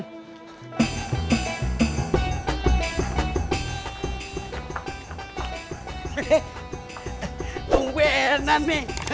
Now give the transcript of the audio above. hehehe tunggu ya nani